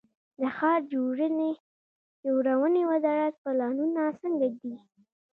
د ښار جوړونې وزارت پلانونه څنګه دي؟